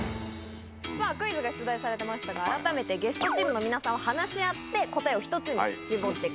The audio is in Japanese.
さぁクイズが出題されてましたがあらためてゲストチームの皆さんは話し合って答えを１つに絞ってください。